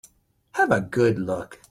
Have a good look.